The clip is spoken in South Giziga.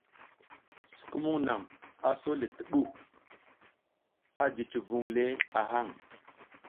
Sukumung nang aso le ti bu, a ji civing le a hang.